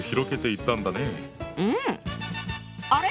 うん！あれ？